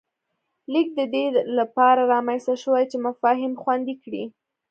لیک د دې له پاره رامنځته شوی چې مفاهیم خوندي کړي